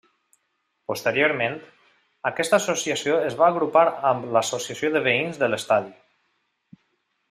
Posteriorment, aquesta Associació es va agrupar amb l'Associació de veïns de l'Estadi.